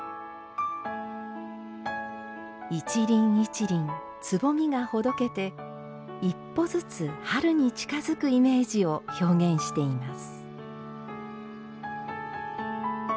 一輪一輪つぼみがほどけて一歩ずつ春に近づくイメージを表現しています。